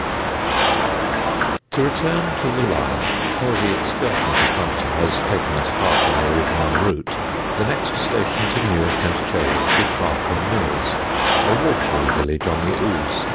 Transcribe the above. [Sidenote: MALLING DEANERY] To return to the line, for the excursion to Plumpton has taken us far from the original route, the next station to Newick and Chailey is Barcombe Mills, a watery village on the Ouse.